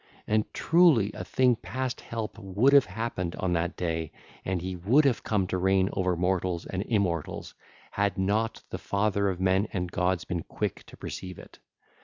And truly a thing past help would have happened on that day, and he would have come to reign over mortals and immortals, had not the father of men and gods been quick to perceive it.